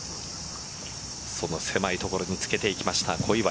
その狭い所につけていきました小祝。